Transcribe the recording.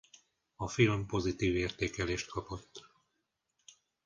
A film pozitív értékelést kapott.